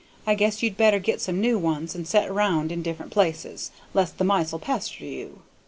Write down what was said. I guess you'd better get some new ones and set round in different places, 'less the mice'll pester you.